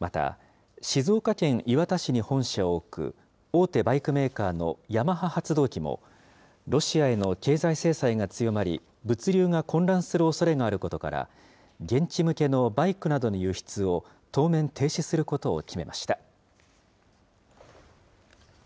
また、静岡県磐田市に本社を置く、大手バイクメーカーのヤマハ発動機も、ロシアへの経済制裁が強まり、物流が混乱するおそれがあることから、現地向けのバイクなどの輸出を当面停止することを決めました。